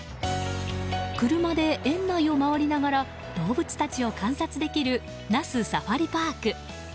車で園内を回りながら動物たちを観察できる那須サファリパーク。